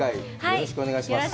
よろしくお願いします。